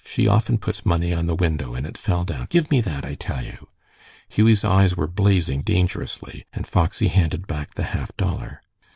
She often puts money on the window, and it fell down. Give me that, I tell you!" Hughie's eyes were blazing dangerously, and Foxy handed back the half dollar.